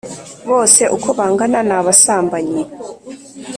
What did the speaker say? Bose uko bangana ni abasambanyi;